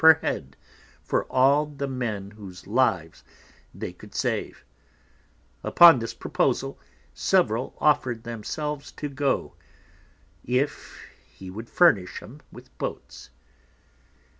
per head_ for all the Men whose Lives they could save, upon this Proposal several offered themselves to go, if he would furnish 'em with Boats.